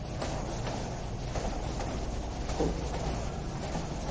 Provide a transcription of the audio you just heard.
Logan fue despedido posteriormente.